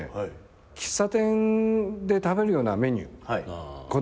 喫茶店で食べるようなメニュー子供が好きな。